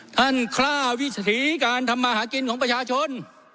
ท่านคล่าวิถีการทำมาหากินของประชาชน